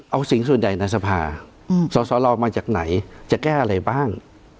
เอาเสียงส่วนใหญ่ในสภาสสลมาจากไหนจะแก้อะไรบ้าง